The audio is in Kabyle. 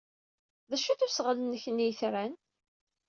D acu-t usɣel-nnek n yitran?